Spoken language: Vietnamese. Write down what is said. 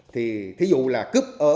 thí dụ là cướp